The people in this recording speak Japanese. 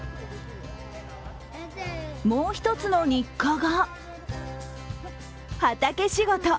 もう一つの日課が、畑仕事。